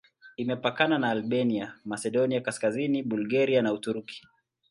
Imepakana na Albania, Masedonia Kaskazini, Bulgaria na Uturuki.